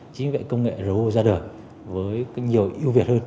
chính vì vậy công nghệ ro ra đời với nhiều ưu việt hơn